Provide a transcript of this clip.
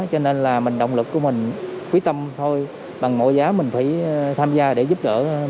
cho nên là mình động lực của mình quyết tâm thôi bằng mọi giá mình phải tham gia để giúp đỡ